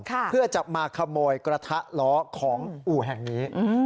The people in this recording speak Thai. เพื่อจะมาขโมยกระทะล้อของอู่แห่งนี้